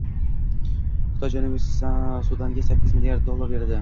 Xitoy Janubiy Sudanga sakkiz milliard dollar beradi